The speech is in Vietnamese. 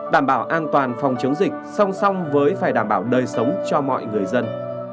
đảm bảo an toàn phòng chống dịch song song với phải đảm bảo đời sống cho mọi người dân